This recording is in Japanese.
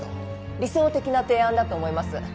理想的な提案だと思います